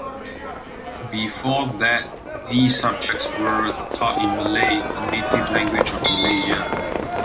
Before that, the subjects were taught in Malay, the native language of Malaysia.